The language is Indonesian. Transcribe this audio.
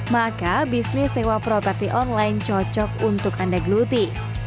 maka bisnis sewa probati online cocok untuk anda geluti